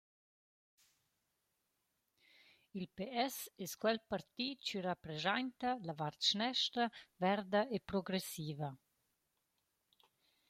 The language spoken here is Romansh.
Il ps es quel parti chi rapreschainta la vart schnestra, verda e progressiva.